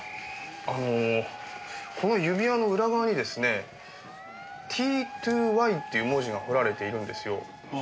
あのこの指輪の裏側にですね「ＴｔｏＹ」っていう文字が彫られているんですよ。